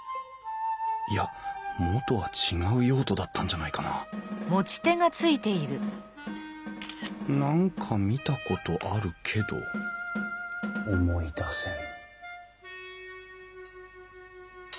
いや元は違う用途だったんじゃないかな何か見たことあるけど思い出せん。